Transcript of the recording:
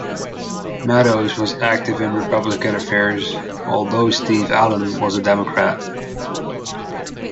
Meadows was active in Republican affairs although Steve Allen was a Democrat.